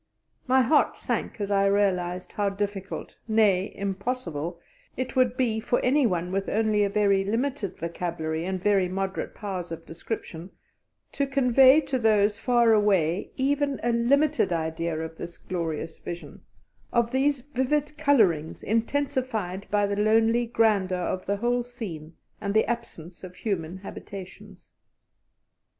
My heart sank as I realized how difficult nay, impossible it would be for anyone with only a very limited vocabulary and very moderate powers of description to convey to those far away even a limited idea of this glorious vision of these vivid colourings intensified by the lonely grandeur of the whole scene and the absence of human habitations.